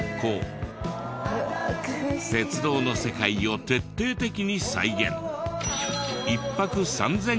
鉄道の世界を徹底的に再現。